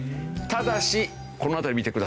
ただしこの辺り見てください。